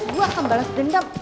gua akan balas dendam